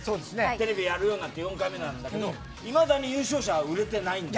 テレビでやるようになって４回目だけどいまだに優勝者は売れてないんです。